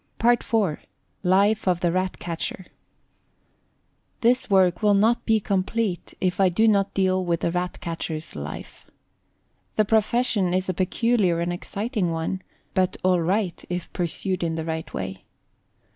PART IV. LIFE OF THE RAT CATCHER. This work will not be complete if I do not deal with the Rat catcher's life. The profession is a peculiar and exciting one, but all right if pursued in the right way.